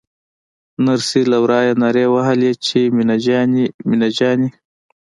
نرسې له ورايه نارې وهلې چې مينه جانې مينه جانې.